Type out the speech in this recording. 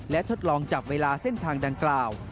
และทดลองจับเวลาเส้นทางดังกล่าว